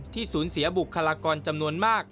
สูญเสียบุคลากรจำนวนมาก